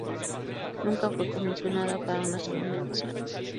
Nunca fue comisionada para una segunda emisión.